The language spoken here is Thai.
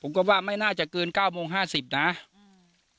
ว่าไม่น่าจะเกินเก้าโมงห้าสิบนะอืม